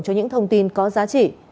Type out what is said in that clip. cho những thông tin có giá trị